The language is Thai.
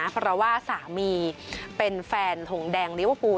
เพราะว่าสามีเป็นแฟนหงแดงลิเวอร์ฟูล